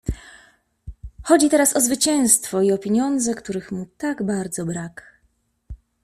"Chodzi teraz o zwycięstwo i o pieniądze, których mu tak bardzo brak."